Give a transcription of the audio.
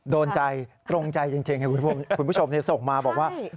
โดนใจตรงใจจริงคุณผู้ชมส่งมาบอกว่า